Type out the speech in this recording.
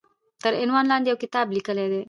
تر عنوان لاندې يو کتاب ليکلی دی